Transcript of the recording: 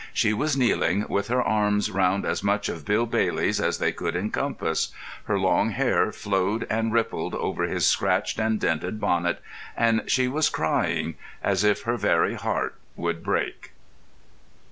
She was kneeling with her arms round as much of Bill Bailey as they could encompass; her long hair flowed and rippled over his scratched and dinted bonnet; and she was crying as if her very heart would break.